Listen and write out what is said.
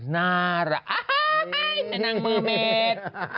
น่ารักนางเมอร์เมด